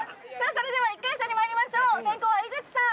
それでは１回戦にまいりましょう先攻は井口さん